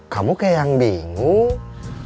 kamu kayak yang bingung